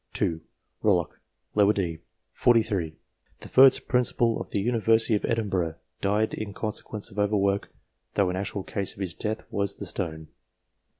2. Eollock, d. set. 43, the first Principal of the University of Edinburgh, died in conse quence of over work, though the actual cause of his death was the stone.